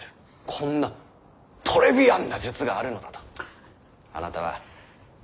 こんなトレビアンな術があるのだとあなたは俺に教えてくれた。